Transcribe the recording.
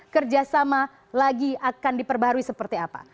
kerjasama lagi akan diperbarui seperti apa